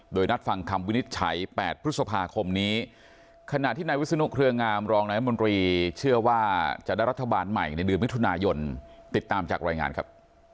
โดยนัดฟังคำวินิจฉัย๘พฤษภาคมนี้ขณะที่นายวิศนุเครืองามรองนายมนตรีเชื่อว่าจะได้รัฐบาลใหม่ในเดือนมิถุนายนติดตามจากรายงานครับ